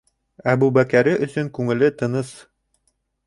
Әбүбәкере өсөн күңеле тыныс.